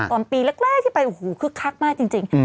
ตอนปีแรกที่ไปโอ้โหคึกคักมากจริง